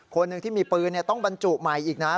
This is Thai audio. คนหนึ่งที่มีปืนต้องบรรจุใหม่อีกนะ